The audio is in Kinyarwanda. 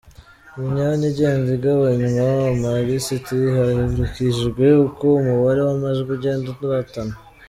Imyanya igenda igabanywa amalisiti hakurikijwe uko umubare w’amajwi ugenda urutana